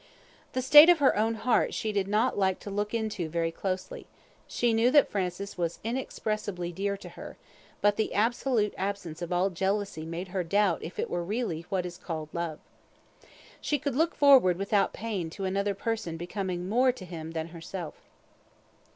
The state of her own heart she did not like to look into very closely; she knew that Francis was inexpressibly dear to her, but the absolute absence of all jealousy made her doubt if it were really what is called love. She could look forward without pain to another person becoming more to him than herself.